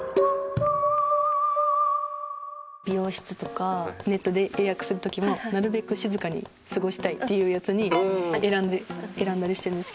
美容室とかネットで予約する時も「なるべく静かに過ごしたい」っていうやつに選んだりしてるんですけど。